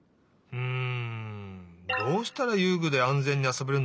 うん。